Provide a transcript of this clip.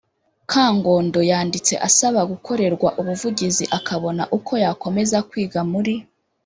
Kangondo Yanditse asaba gukorerwa ubuvugizi akabona uko yakomeza kwiga muri